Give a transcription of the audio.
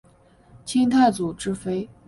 清太祖之妃。